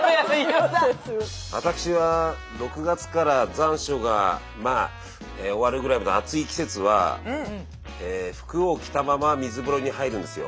私は６月から残暑がまあ終わるぐらいまでの暑い季節は服を着たまま水風呂に入るんですよ。